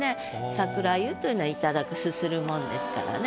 桜湯というのは頂く啜るもんですからね。